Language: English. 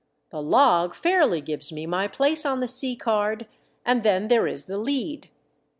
The log fairly gives me my place on the sea card, and then there is the lead."